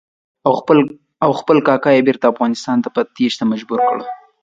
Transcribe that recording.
او خپل کاکا یې بېرته افغانستان ته په تېښته مجبور کړ.